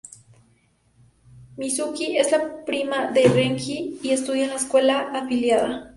Mizuki es la prima de Renji y estudia en una escuela afiliada.